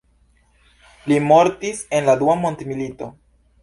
Li mortis en la Dua Mondmilito.